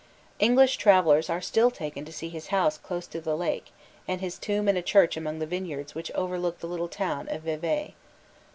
English travellers are still taken to see his house close to the lake, and his tomb in a church among the vineyards which overlook the little town of Vevay.